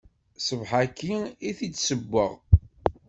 Ṣṣbeḥ-ayi i t-id-ssewweɣ.